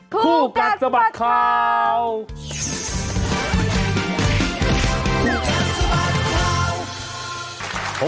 คู่กันสบัดข่าวคู่กันสบัดข่าว